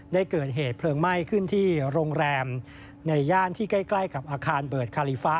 ได้เกิดเหตุเพลิงไหม้ขึ้นที่โรงแรมในย่านที่ใกล้กับอาคารเบิร์ดคาลิฟะ